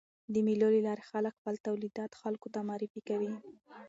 د مېلو له لاري خلک خپل تولیدات خلکو ته معرفي کوي.